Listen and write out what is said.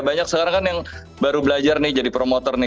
banyak sekarang kan yang baru belajar nih jadi promotor nih